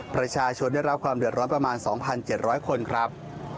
ประชาชนได้รับความเดือดร้อนประมาณ๒๗๐๐คนครับ